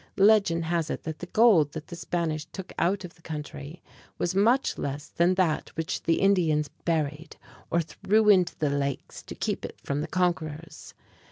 Legend has it that the gold that the Spanish took out of the country was much less than that which the Indians buried or threw into the lakes to keep it from the conquerors.